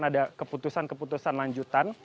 nanti akan ada keputusan keputusan lanjutan